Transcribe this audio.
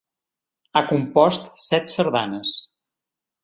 Ha compost set sardanes.